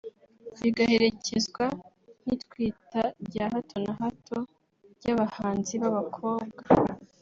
bigaherekezwa n’itwita rya hato na hato ry’abahanzi b’abakobwa